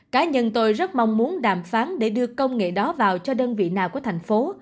cá nhân tôi rất mong muốn đàm phán để đưa công nghệ đó vào cho đơn vị nào của thành phố